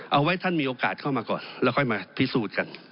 เอาไว้ท่านมีโอกาสเข้ามาก่อนแล้วค่อยมาพิสูจน์กัน